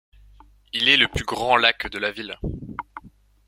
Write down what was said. Il est le plus grand lac de la ville.